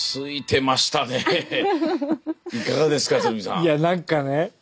いや何かね